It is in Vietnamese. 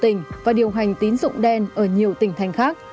tình và điều hành tín dụng đen ở nhiều tỉnh thành khác